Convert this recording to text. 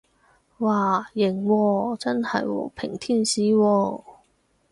嘩，型喎，真係和平天使喎